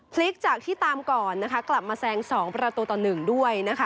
พลิกจากที่ตามก่อนนะคะกลับมาแซง๒ประตูต่อ๑ด้วยนะคะ